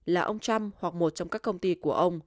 là ông trump hoặc một trong các công ty của ông